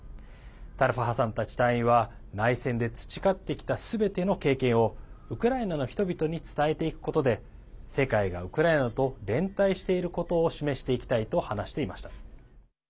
タルファハさんたち隊員は内戦で培ってきたすべての経験をウクライナの人々に伝えていくことで世界がウクライナと連帯していることを示していきたいと話していました。